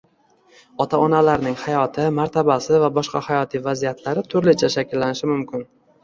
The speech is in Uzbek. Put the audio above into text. Ota-onalarning hayoti, martabasi va boshqa hayotiy vaziyatlari turlicha shakllanishi mumkin.